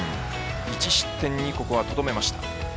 １失点に、ここはとどめました。